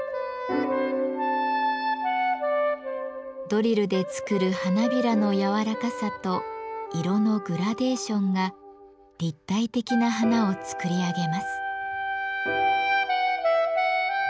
ドリルで作る花びらの柔らかさと色のグラデーションが立体的な花を作り上げます。